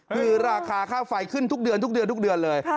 คือราคาค่าไฟขึ้นทุกเดือนเลย